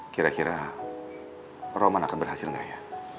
kira kira roman akan berhasil nggak ya